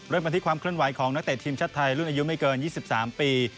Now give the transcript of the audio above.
เริ่มกันที่ความเคลื่อนไหวของนักเตะทีมชาติไทยรุ่นอายุไม่เกิน๒๓ปี